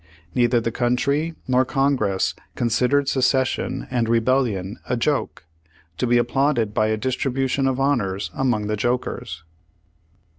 Neither the country nor Congress considered secession and rebellion a joke, to be applauded by a distribution of honors among the jokers.